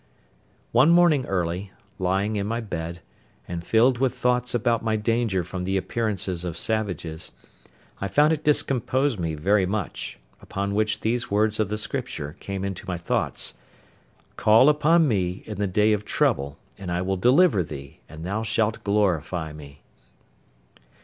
One morning early, lying in my bed, and filled with thoughts about my danger from the appearances of savages, I found it discomposed me very much; upon which these words of the Scripture came into my thoughts, "Call upon Me in the day of trouble, and I will deliver thee, and thou shalt glorify Me."